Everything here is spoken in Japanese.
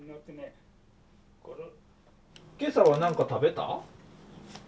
今朝はなんか食べた？